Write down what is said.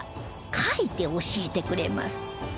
描いて教えてくれます